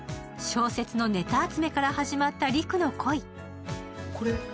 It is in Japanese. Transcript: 小説のネタ集めから始まった陸の恋。